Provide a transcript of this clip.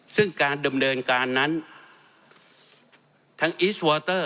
ซึ่งการดำเดินการนั้นทั้งอีส